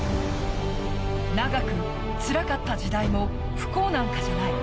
長くつらかった時代も不幸なんかじゃない。